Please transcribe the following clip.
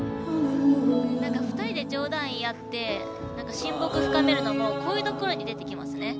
何か２人で冗談言い合って親睦深めるのもこういうところに出てきますね。